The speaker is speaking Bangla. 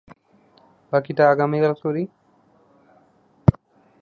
বাকিটা আগামীকাল করি?